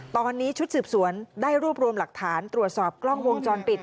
ตอนนี้ชุดสืบสวนได้รวบรวมหลักฐานตรวจสอบกล้องวงจรปิด